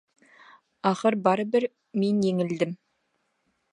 Ахыр барыбер мин еңелдем.